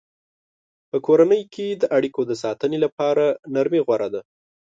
په کورنۍ کې د اړیکو د ساتنې لپاره نرمي غوره ده.